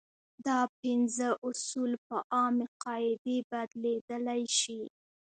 دا پنځه اصول په عامې قاعدې بدلېدلی شي.